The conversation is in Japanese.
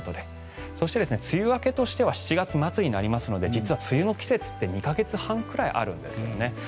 そして梅雨明けは７月末なので実は梅雨の季節って２か月半くらいあるんですよね。